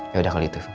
ya udah kali itu